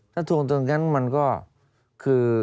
ถ้าทวงตรงนั้นมันก็คือ